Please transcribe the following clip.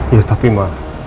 ya tapi ma